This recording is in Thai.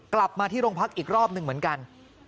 กลับมาที่โรงพักอีกรอบหนึ่งเหมือนกัน